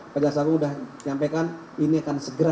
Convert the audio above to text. pajasamu sudah menyampaikan ini akan segera